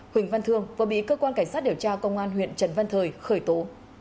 huỳnh văn thương vừa bị cơ quan cảnh sát điều tra công an huyện trần văn thời khởi tố